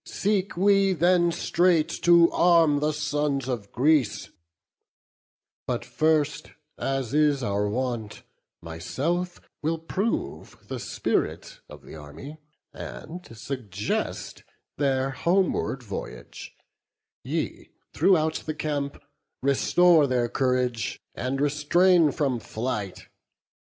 Seek we then straight to arm the sons of Greece: But first, as is our wont, myself will prove The spirit of the army; and suggest Their homeward voyage; ye, throughout the camp Restore their courage, and restrain from flight."